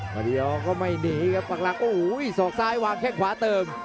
มาตี้ยอก็ไม่หนีครับฟังลังส่อกซ้ายวางแข่งขวาเติม